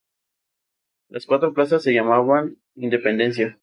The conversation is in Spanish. Las cuatro plazas se llamaban "Independencia".